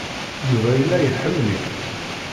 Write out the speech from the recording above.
Yuba yella iḥemmel-ik.